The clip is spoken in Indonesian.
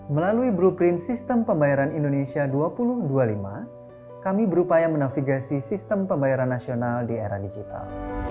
melalui blueprint sistem pembayaran indonesia dua ribu dua puluh lima kami berupaya menafigasi sistem pembayaran nasional di era digital